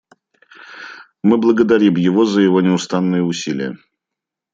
Мы благодарим его за его неустанные усилия.